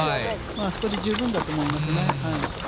あそこで十分だと思いますね。